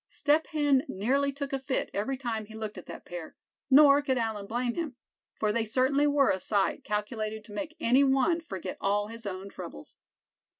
Step Hen nearly took a fit every time he looked at that pair, nor could Allan blame him; for they certainly were a sight calculated to make any one forget all his own troubles.